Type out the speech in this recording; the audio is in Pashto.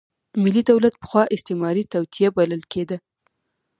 ملي دولت پخوا استعماري توطیه بلل کېده.